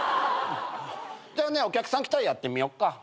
じゃあねお客さん来たらやってみようか。